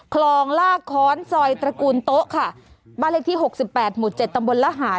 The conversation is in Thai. คลองลากค้อนซอยตระกูลโต๊ะค่ะบ้านเลขที่หกสิบแปดหมู่เจ็ดตำบลละหาร